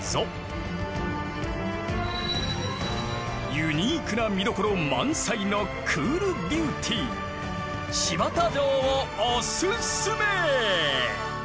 ユニークな見どころ満載のクールビューティー新発田城をおすすめ！